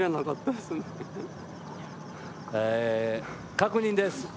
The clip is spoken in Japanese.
確認です。